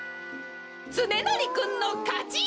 つねなりくんのかち！